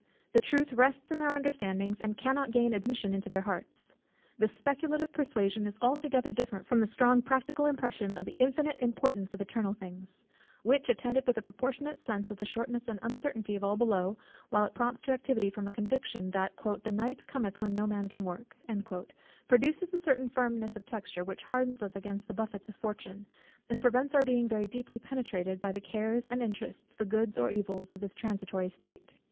The truth rests in their understandings, and cannot gain admission into their hearts. This speculative persuasion is altogether different from that strong practical impression of the infinite importance of eternal things, which attended with a proportionate sense of the shortness and uncertainty of all below, while it prompts to activity from a conviction that "the night cometh when no man can work," produces a certain firmness of texture, which hardens us against the buffets of fortune, and prevents our being very deeply penetrated by the cares and interests, the goods or evils, of this transitory state.